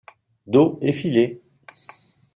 Dos effilé.